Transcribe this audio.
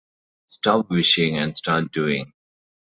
Stop wishing and start doing.